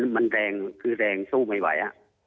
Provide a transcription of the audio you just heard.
มันแรงคือแรงสู้ไม่ไหว